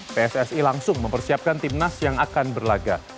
pssi langsung mempersiapkan timnas yang akan berlaga